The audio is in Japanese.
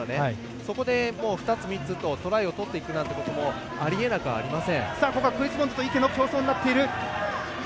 そこで、２つ、３つとトライを取っていくということもありえなくはありません。